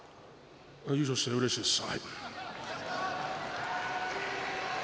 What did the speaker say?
優勝してうれしいです。